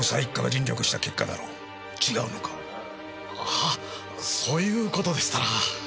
はっそういう事でしたら。